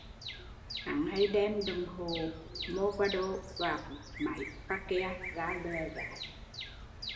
Hắn hay đem đồng hồ Movado và bút máy Parker ra lòe gái